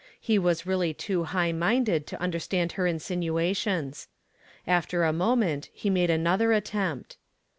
He was really too high minded to understand her insinuations. After a moment he made another attempt.